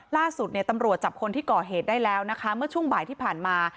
ล่าสุดเนี่ยตำรวจจับคนที่ก่อเหตุได้แล้วนะคะเมื่อช่วงบ่ายที่ผ่านมา